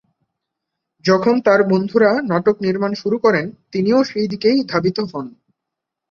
যখন তার বন্ধুরা নাটক নির্মাণ শুরু করেন, তিনিও সেই দিকেই ধাবিত হন।